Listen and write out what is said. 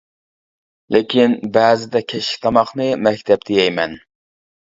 لېكىن بەزىدە كەچلىك تاماقنى مەكتەپتە يەيمەن.